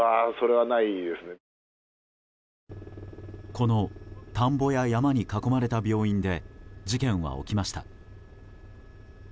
この田んぼや山に囲まれた病院で事件は起きました。